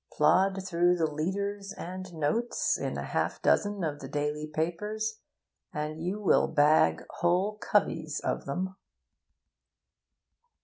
Plod through the 'leaders' and 'notes' in half a dozen of the daily papers, and you will bag whole coveys of them.